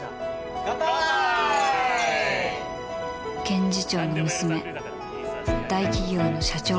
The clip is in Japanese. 検事長の娘大企業の社長令嬢